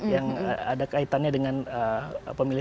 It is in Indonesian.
yang ada kaitannya dengan pemilih